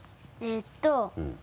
えっと。